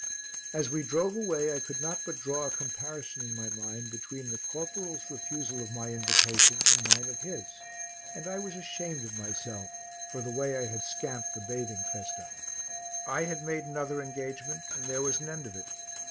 As we drove away I could not but draw a comparison in my mind between the corporal's refusal of my invitation and mine of his, and I was ashamed of myself for the way I had scamped the bathing festa. I had made another engagement and there was an end of it.